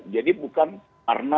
jadi bukan karena